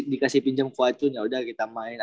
dikasih pinjam fuacun ya udah kita main